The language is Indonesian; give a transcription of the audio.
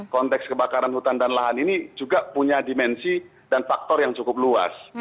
konteks kebakaran hutan dan lahan ini juga punya dimensi dan faktor yang cukup luas